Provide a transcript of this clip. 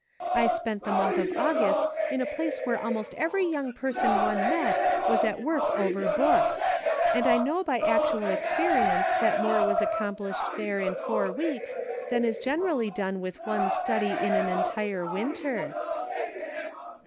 * I spent the month of August in a place where almost every young person one met was at work over books ; and I know by actual experience that more was accomplished there in four weeks than is generally done with one study in an entire winter."